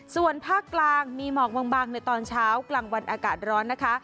ส่วนภาคกลางมีหมอกบางในตอนเช้ากลางวันอากาศร้อนนะคะ